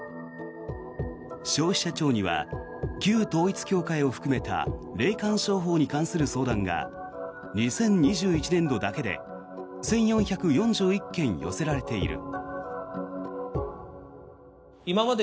消費者庁には旧統一教会を含めた霊感商法に関する相談が２０２１年度だけで１４４１件寄せられている。